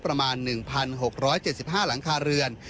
ประมาณหนึ่งพันหกร้อยเจ็ดสิบห้าหลังคาเรือน